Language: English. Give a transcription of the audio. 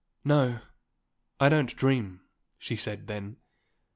"No; I don't dream," she said then.